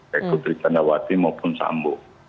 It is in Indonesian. kayak putri candrawati maupun sambu